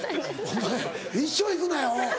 お前一生行くなよ。